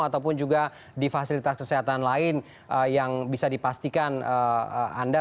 ataupun juga di fasilitas kesehatan lain yang bisa dipastikan anda